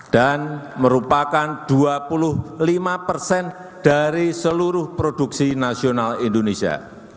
dan merupakan dua puluh lima persen dari seluruh produksi nasional indonesia